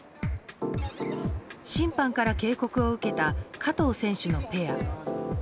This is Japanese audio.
審判から警告を受けた加藤選手のペア。